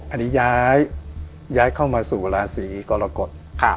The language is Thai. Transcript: อันนี้ย้ายเข้ามาสู่ราศีกรกฎ